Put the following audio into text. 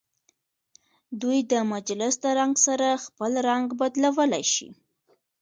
دوی د مجلس د رنګ سره خپل رنګ بدلولی شي.